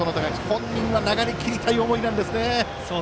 本人は流れを切りたい思いなんですね。